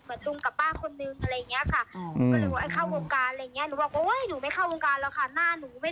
แล้วก็ขอพ้อนก็คือหยิบมาเลยค่ะพี่หมดำ